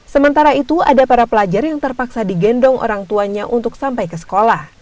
sementara itu ada para pelajar yang terpaksa digendong orang tuanya untuk sampai ke sekolah